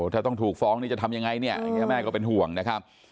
ถ้าต้องถูกฟ้องนี่จะทำยังไงเนี่ยอย่างนี้แม่ก็เป็นห่วงนะครับ